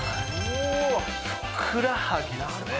ふくらはぎですね。